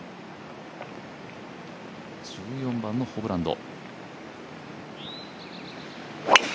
１４番のホブランド。